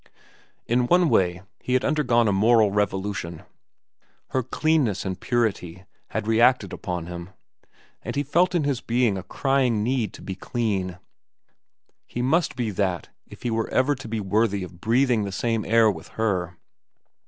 In one way, he had undergone a moral revolution. Her cleanness and purity had reacted upon him, and he felt in his being a crying need to be clean. He must be that if he were ever to be worthy of breathing the same air with her.